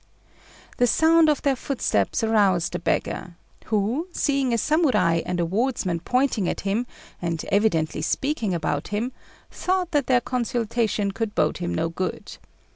The sound of their footsteps aroused the beggar, who seeing a Samurai and a wardsman pointing at him, and evidently speaking about him, thought that their consultation could bode him no good.